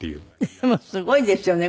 でもすごいですよね